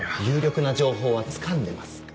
有力な情報はつかんでます。